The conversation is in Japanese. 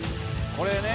「これね」